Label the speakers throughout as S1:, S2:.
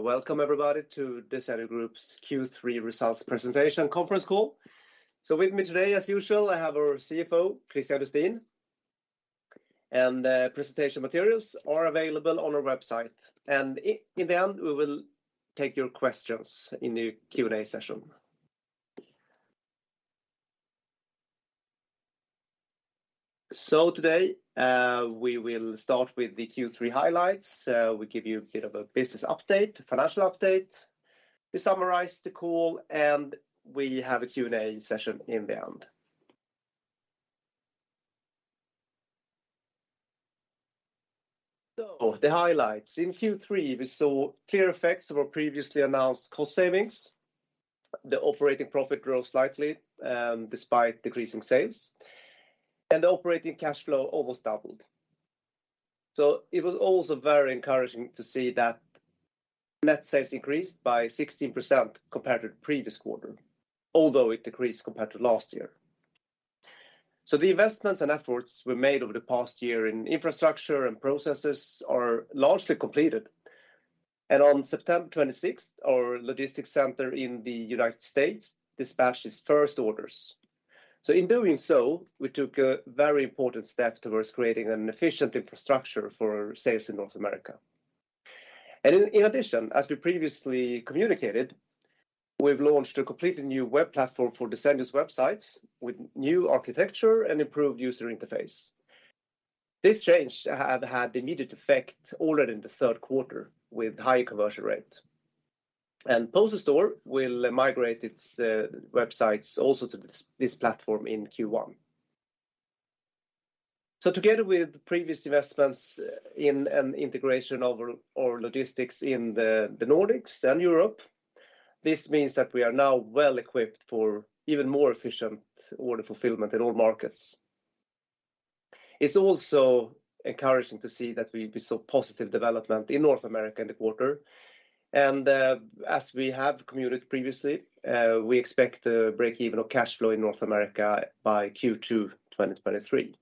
S1: Welcome everybody to the Desenio Group's Q3 results presentation conference call. With me today, as usual, I have our CFO, Kristian Lustin. Presentation materials are available on our website. In the end, we will take your questions in the Q&A session. Today, we will start with the Q3 highlights, we give you a bit of a business update, a financial update. We summarize the call, and we have a Q&A session in the end. The highlights. In Q3, we saw clear effects of our previously announced cost savings. The operating profit grew slightly, despite decreasing sales, and the operating cash flow almost doubled. It was also very encouraging to see that net sales increased by 16% compared to the previous quarter, although it decreased compared to last year. The investments and efforts were made over the past year in infrastructure and processes are largely completed. On September twenty-sixth, our logistics center in the United States dispatched its first orders. In doing so, we took a very important step towards creating an efficient infrastructure for sales in North America. In addition, as we previously communicated, we've launched a completely new web platform for Desenio's websites with new architecture and improved user interface. This change have had immediate effect already in the third quarter with higher conversion rate. Poster Store will migrate its websites also to this platform in Q1. Together with previous investments in and integration of our logistics in the Nordics and Europe, this means that we are now well-equipped for even more efficient order fulfillment in all markets. It's also encouraging to see that we saw positive development in North America in the quarter. As we have communicated previously, we expect a break-even of cash flow in North America by Q2 2023.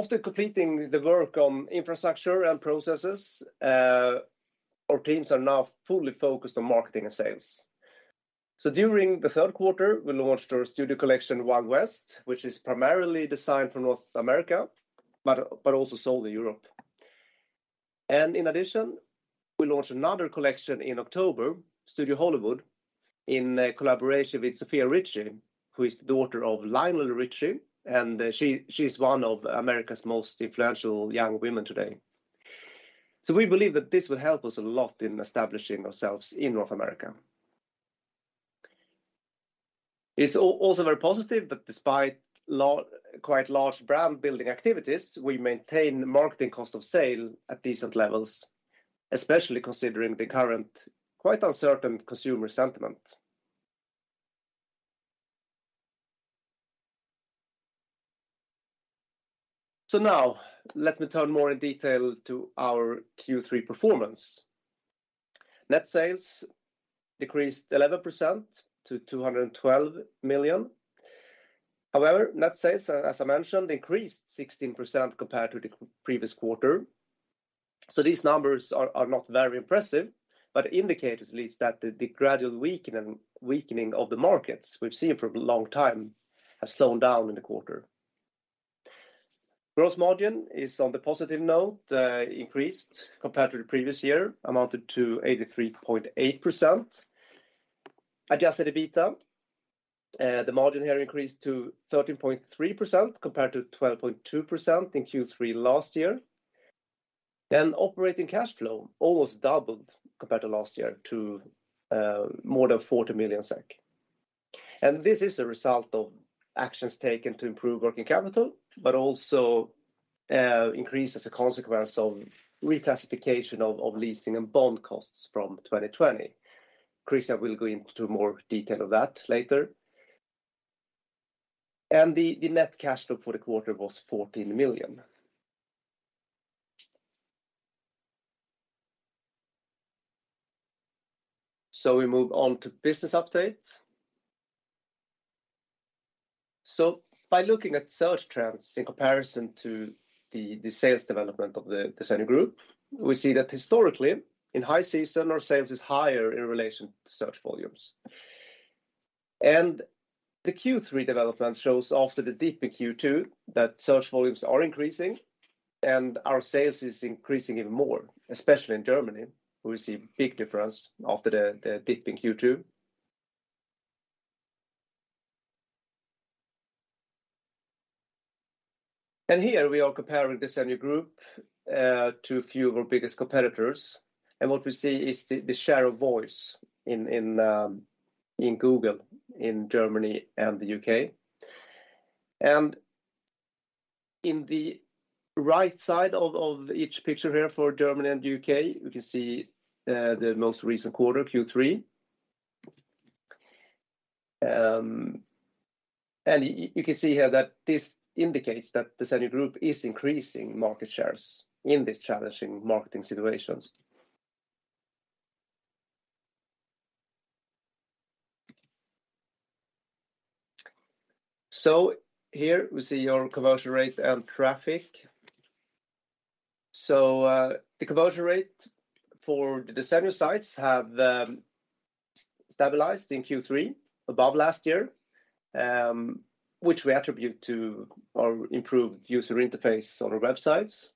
S1: After completing the work on infrastructure and processes, our teams are now fully focused on marketing and sales. During the third quarter, we launched our Studio Collection, Wild West, which is primarily designed for North America, but also sold in Europe. In addition, we launched another collection in October, Studio Hollywood, in collaboration with Sofia Richie, who is the daughter of Lionel Richie, and she is one of America's most influential young women today. We believe that this will help us a lot in establishing ourselves in North America. It's also very positive that despite quite large brand-building activities, we maintain marketing cost of sales at decent levels, especially considering the current quite uncertain consumer sentiment. Now let me turn more in detail to our Q3 performance. Net sales decreased 11% to 212 million. However, net sales, as I mentioned, increased 16% compared to the previous quarter. These numbers are not very impressive, but indicators at least that the gradual weakening of the markets we've seen for a long time have slowed down in the quarter. Gross margin is on the positive note, increased compared to the previous year, amounted to 83.8%. Adjusted EBITA, the margin here increased to 13.3% compared to 12.2% in Q3 last year. Operating cash flow almost doubled compared to last year to more than 40 million SEK. This is a result of actions taken to improve working capital, but also increase as a consequence of reclassification of leasing and bond costs from 2020. Kristian will go into more detail of that later. The net cash flow for the quarter was 14 million. We move on to business update. By looking at search trends in comparison to the sales development of the Desenio Group, we see that historically in high season, our sales is higher in relation to search volumes. The Q3 development shows after the dip in Q2, that search volumes are increasing and our sales is increasing even more, especially in Germany, where we see big difference after the dip in Q2. Here we are comparing Desenio Group to a few of our biggest competitors. What we see is the share of voice in Google in Germany and the U.K. In the right side of each picture here for Germany and UK, we can see the most recent quarter, Q3, and you can see here that this indicates that the Desenio Group is increasing market shares in this challenging market situations. Here we see our conversion rate and traffic. The conversion rate for the Desenio sites have stabilized in Q3 above last year, which we attribute to our improved user interface on our websites.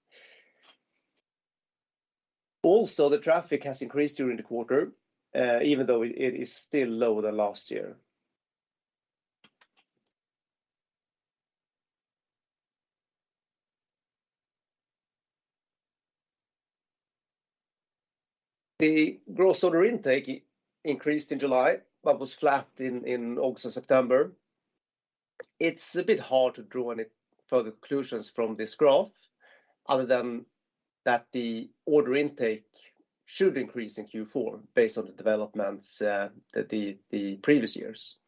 S1: Also, the traffic has increased during the quarter, even though it is still lower than last year. The gross order intake increased in July but was flat in August and September. It's a bit hard to draw any further conclusions from this graph other than that the order intake should increase in Q4 based on the developments at the previous years.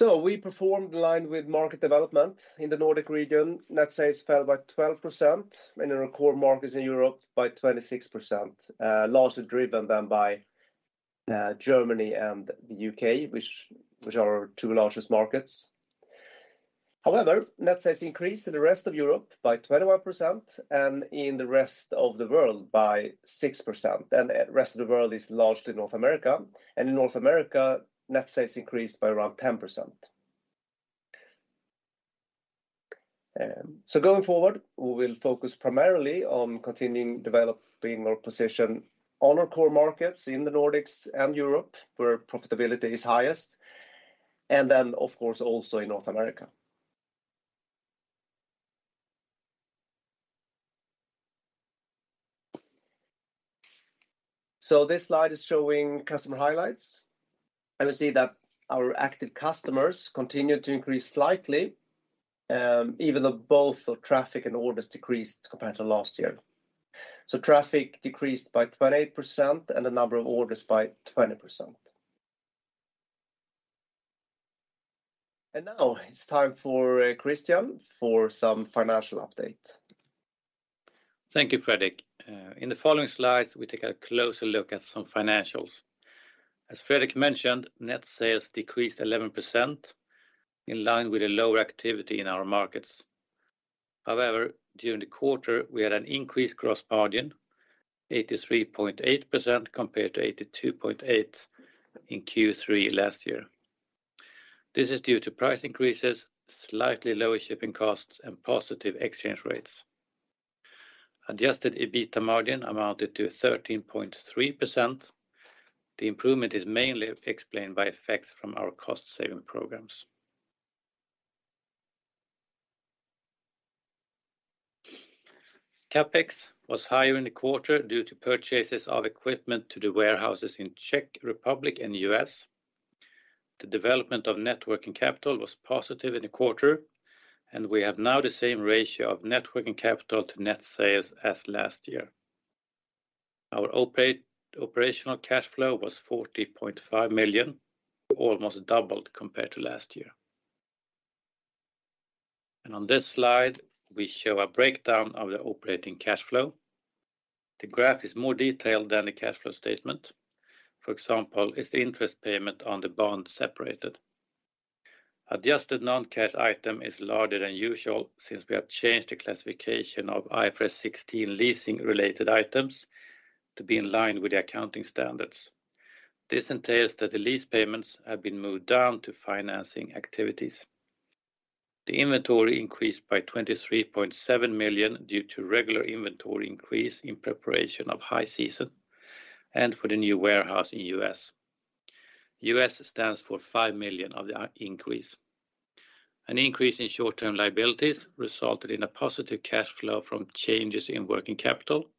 S1: We performed in line with market development in the Nordic region. Net sales fell by 12% in our core markets, in Europe by 26%, largely driven then by Germany and the U.K., which are our two largest markets. However, net sales increased in the rest of Europe by 21% and in the rest of the world by 6%. Rest of the world is largely North America, and in North America, net sales increased by around 10%. Going forward, we will focus primarily on continuing developing our position on our core markets in the Nordics and Europe, where profitability is highest, and then, of course, also in North America. This slide is showing customer highlights, and we see that our active customers continued to increase slightly, even though both our traffic and orders decreased compared to last year. Traffic decreased by 28% and the number of orders by 20%. Now it's time for Kristian for some financial update.
S2: Thank you, Fredrik. In the following slides, we take a closer look at some financials. As Fredrik mentioned, net sales decreased 11%, in line with a lower activity in our markets. However, during the quarter, we had an increased gross margin, 83.8% compared to 82.8% in Q3 last year. This is due to price increases, slightly lower shipping costs, and positive exchange rates. Adjusted EBITA margin amounted to 13.3%. The improvement is mainly explained by effects from our cost-saving programs. CapEx was higher in the quarter due to purchases of equipment to the warehouses in Czech Republic and U.S. The development of net working capital was positive in the quarter, and we have now the same ratio of net working capital to net sales as last year. Our operational cash flow was 40.5 million, almost doubled compared to last year. On this slide, we show a breakdown of the operating cash flow. The graph is more detailed than the cash flow statement. For example, it's the interest payment on the bond separated. Adjusted non-cash item is larger than usual since we have changed the classification of IFRS 16 leasing related items to be in line with the accounting standards. This entails that the lease payments have been moved down to financing activities. The inventory increased by 23.7 million due to regular inventory increase in preparation of high season and for the new warehouse in U.S. U.S. stands for 5 million of the increase. An increase in short-term liabilities resulted in a positive cash flow from changes in working capital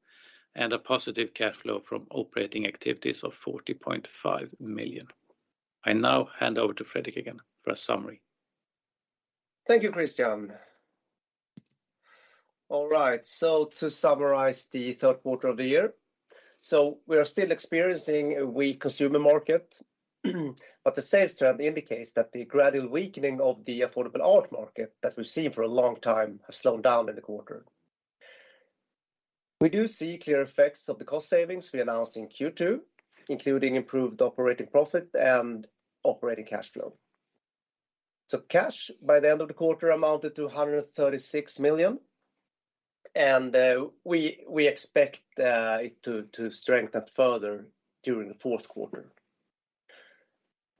S2: and a positive cash flow from operating activities of 40.5 million. I now hand over to Fredrik again for a summary.
S1: Thank you, Kristian. All right. To summarize the third quarter of the year, we are still experiencing a weak consumer market, but the sales trend indicates that the gradual weakening of the affordable art market that we've seen for a long time have slowed down in the quarter. We do see clear effects of the cost savings we announced in Q2, including improved operating profit and operating cash flow. Cash by the end of the quarter amounted to 136 million, and we expect it to strengthen further during the fourth quarter.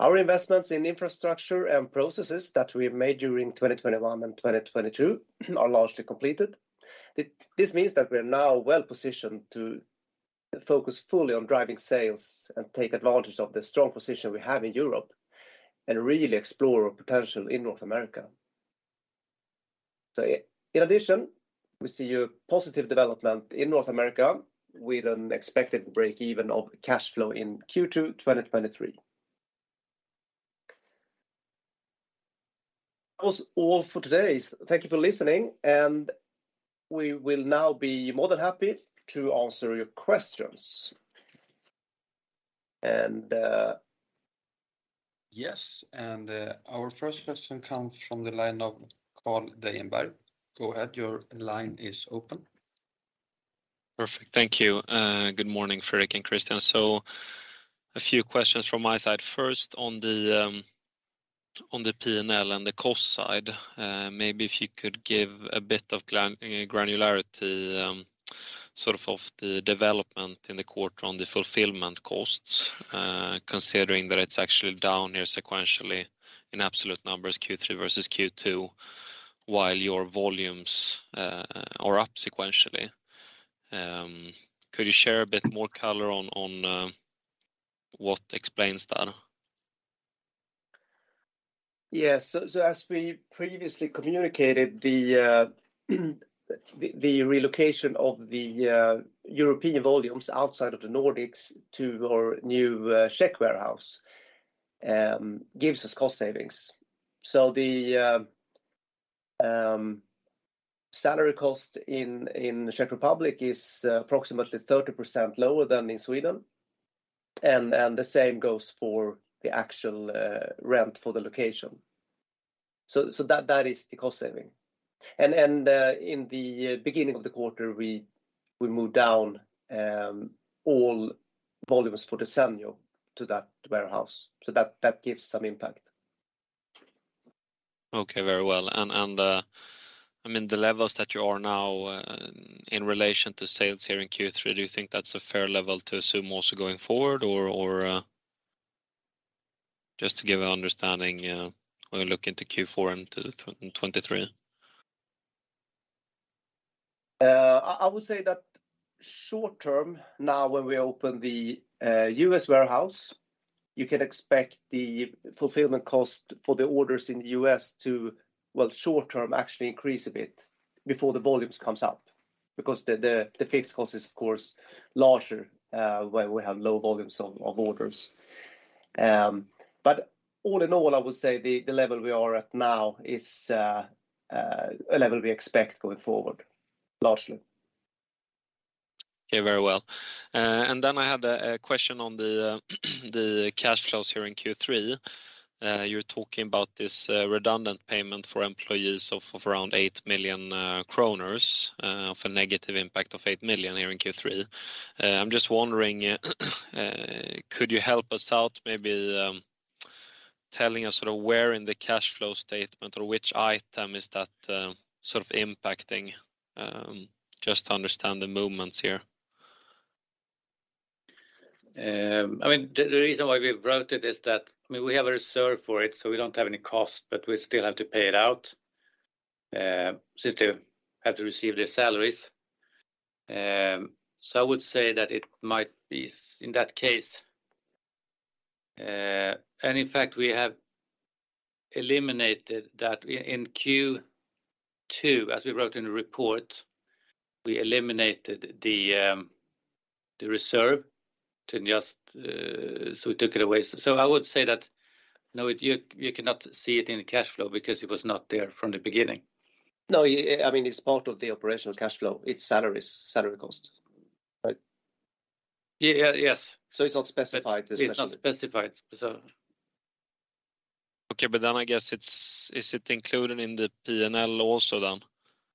S1: Our investments in infrastructure and processes that we made during 2021 and 2022 are largely completed. This means that we are now well-positioned to focus fully on driving sales and take advantage of the strong position we have in Europe and really explore our potential in North America. In addition, we see a positive development in North America with an expected break-even of cash flow in Q2 2023. That was all for today. Thank you for listening, and we will now be more than happy to answer your questions.
S3: Yes, our first question comes from the line of Carl Dej-Freij. Go ahead, your line is open.
S4: Perfect. Thank you. Good morning, Fredrik and Kristian Lustin. A few questions from my side. First, on the P&L and the cost side, maybe if you could give a bit of granularity, sort of the development in the quarter on the fulfillment costs, considering that it's actually down here sequentially in absolute numbers, Q3 versus Q2, while your volumes are up sequentially. Could you share a bit more color on what explains that?
S1: Yes. As we previously communicated, the relocation of the European volumes outside of the Nordics to our new Czech warehouse gives us cost savings. The salary cost in Czech Republic is approximately 30% lower than in Sweden, and the same goes for the actual rent for the location. That is the cost saving. In the beginning of the quarter, we moved down all volumes for the Desenio to that warehouse. That gives some impact.
S4: Okay. Very well. I mean, the levels that you are now in relation to sales here in Q3, do you think that's a fair level to assume also going forward? Or just to give an understanding, when we look into Q4 and to 2023.
S1: I would say that short term now, when we open the U.S. warehouse, you can expect the fulfillment cost for the orders in the U.S. to, well, short term, actually increase a bit before the volumes comes up. Because the fixed cost is of course larger, when we have low volumes of orders. All in all, I would say the level we are at now is a level we expect going forward, largely.
S4: Okay. Very well. I had a question on the cash flows here in Q3. You're talking about this redundant payment for employees of around 8 million of a negative impact of 8 million here in Q3. I'm just wondering, could you help us out maybe telling us sort of where in the cash flow statement or which item is that sort of impacting, just to understand the movements here?
S2: I mean, the reason why we wrote it is that, I mean, we have a reserve for it, so we don't have any costs, but we still have to pay it out, since they have to receive their salaries. I would say that it might be seen in that case. In fact, we have eliminated that in Q2, as we wrote in the report, we eliminated the reserve too, just so we took it away. I would say that, no, you cannot see it in the cash flow because it was not there from the beginning.
S1: No, I mean, it's part of the operational cash flow. It's salaries, salary costs. Right?
S2: Yeah, yes.
S1: It's not specified especially.
S2: It's not specified.
S4: Okay. I guess it's, is it included in the P&L also then?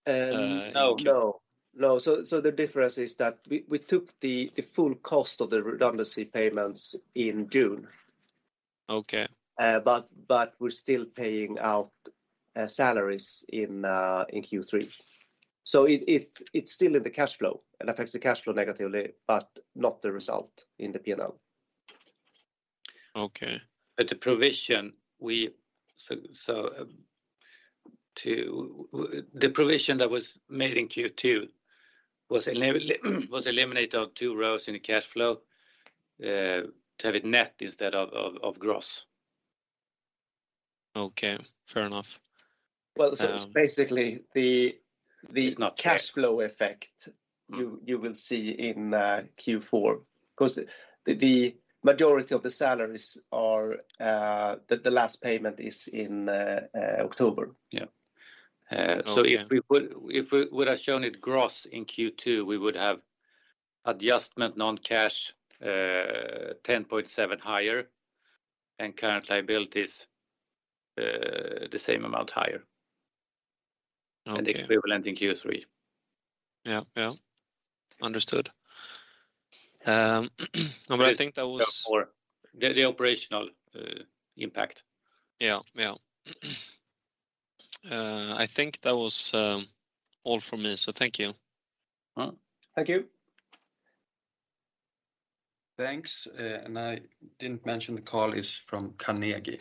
S1: No.
S2: No.
S1: No. The difference is that we took the full cost of the redundancy payments in June.
S4: Okay.
S1: We're still paying out salaries in Q3. It's still in the cash flow. It affects the cash flow negatively, but not the result in the P&L.
S4: Okay.
S2: The provision that was made in Q2 was eliminated on two rows in the cash flow to have it net instead of gross.
S4: Okay. Fair enough.
S1: Well, basically the
S2: It's not cash.
S1: Cash flow effect, you will see in Q4, 'cause the majority of the salaries are the last payment is in October.
S2: Yeah. If we would
S4: Okay.
S2: If we would have shown it gross in Q2, we would have adjustment non-cash, 10.7 higher, and current liabilities, the same amount higher.
S4: Okay.
S2: Equivalent in Q3.
S4: Yeah. Understood. No, I think that was.
S2: The operational impact.
S4: Yeah. Yeah. I think that was all from me, so thank you.
S2: Well, thank you.
S3: Thanks. I didn't mention the call is from Carnegie.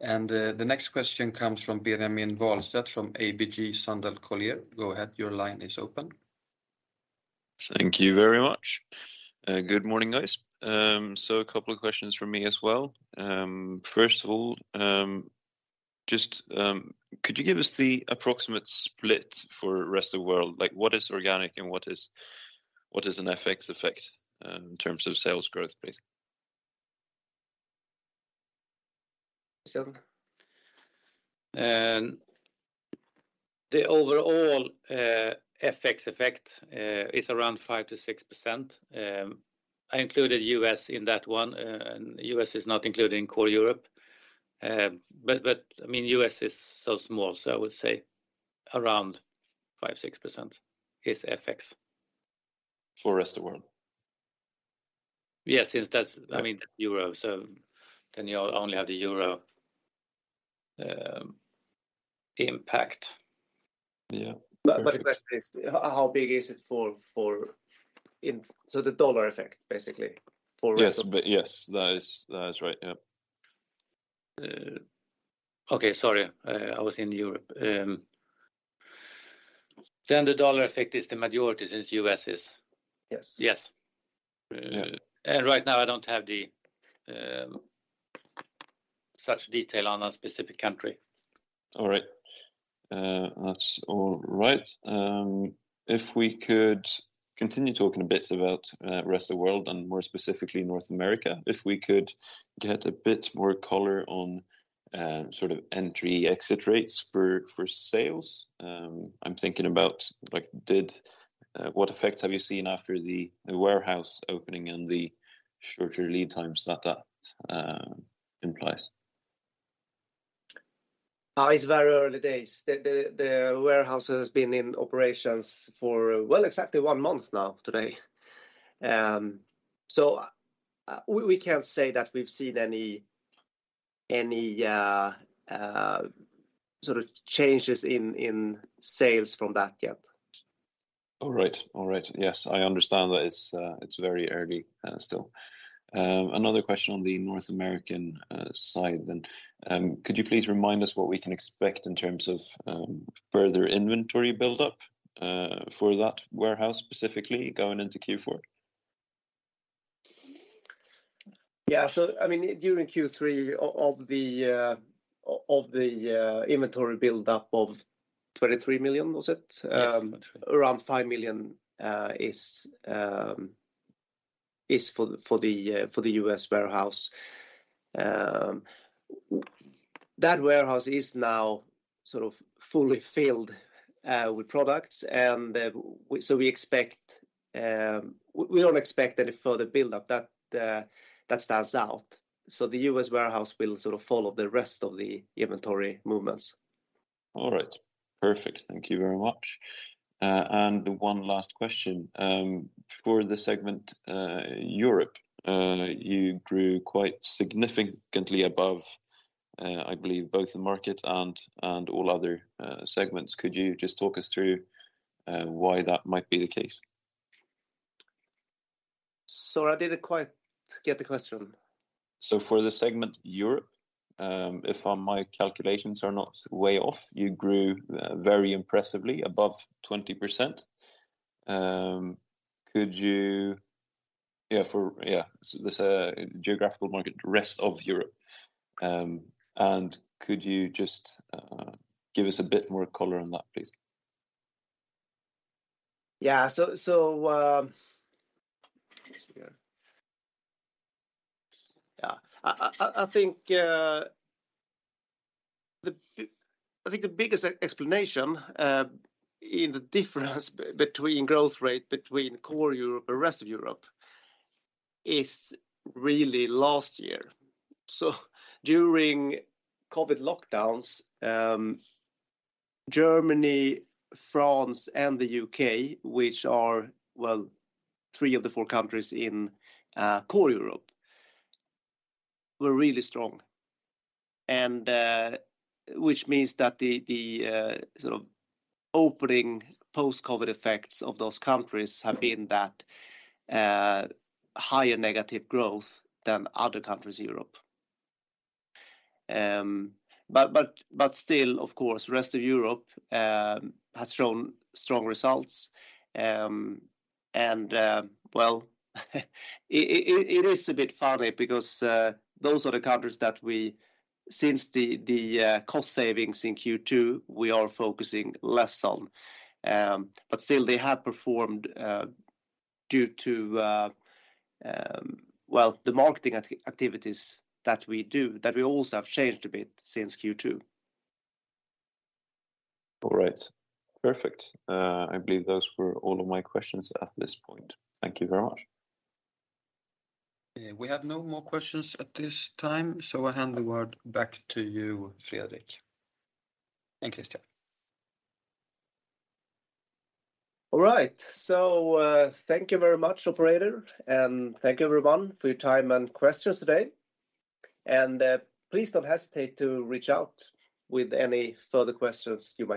S3: The next question comes from Benjamin Wahlstedt from ABG Sundal Collier. Go ahead, your line is open.
S5: Thank you very much. Good morning, guys. A couple of questions from me as well. First of all, Just, could you give us the approximate split for rest of world? Like, what is organic and what is an FX effect, in terms of sales growth, please?
S1: Selva?
S2: The overall FX effect is around 5%-6%. I included U.S. in that one. U.S. is not included in core Europe. I mean, U.S. is so small, so I would say around 5-6% is FX.
S5: For rest of world?
S2: Yes, since that's.
S5: Okay
S2: I mean, the euro. You only have the euro impact.
S5: Yeah.
S1: The question is how big is it for. The dollar effect basically for rest of
S5: Yes. Yes, that is right. Yeah.
S2: Okay, I was in Europe. The dollar effect is the majority since U.S. is.
S1: Yes.
S2: Yes. Right now I don't have the such detail on a specific country.
S5: All right. That's all right. If we could continue talking a bit about rest of world and more specifically North America. If we could get a bit more color on sort of entry, exit rates for sales. I'm thinking about like what effects have you seen after the warehouse opening and the shorter lead times that implies?
S1: It's very early days. The warehouse has been in operations for well, exactly one month now today. So, we can't say that we've seen any sort of changes in sales from that yet.
S5: All right. Yes, I understand that it's very early still. Another question on the North American side then. Could you please remind us what we can expect in terms of further inventory buildup for that warehouse specifically going into Q4?
S1: Yeah. I mean, during Q3 of the inventory buildup of 23 million, was it?
S5: Yes.
S1: Around 5 million is for the U.S. Warehouse. That warehouse is now sort of fully filled with products. We don't expect any further buildup. That stands out. The U.S. warehouse will sort of follow the rest of the inventory movements.
S5: All right. Perfect. Thank you very much. One last question. For the segment Europe, you grew quite significantly above, I believe both the market and all other segments. Could you just talk us through why that might be the case?
S1: Sorry, I didn't quite get the question.
S5: For the segment Europe, if my calculations are not way off, you grew very impressively above 20%. For this geographical market, rest of Europe, could you just give us a bit more color on that, please?
S1: I think the biggest explanation in the difference between growth rate between core Europe and rest of Europe is really last year. During COVID lockdowns, Germany, France and the U.K., which are three of the four countries in core Europe, were really strong, which means that the sort of opening post-COVID effects of those countries have been higher negative growth than other countries in Europe. Still, of course, rest of Europe has shown strong results. It is a bit funny because those are the countries that we, since the cost savings in Q2, are focusing less on. Still they have performed due to the marketing activities that we do, that we also have changed a bit since Q2.
S5: All right. Perfect. I believe those were all of my questions at this point. Thank you very much.
S3: Yeah, we have no more questions at this time, so I hand the word back to you, Fredrik and Kristian.
S1: All right. Thank you very much, operator, and thank you everyone for your time and questions today. Please don't hesitate to reach out with any further questions you may have.